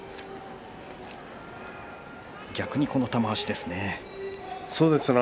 逆に、玉鷲ですね。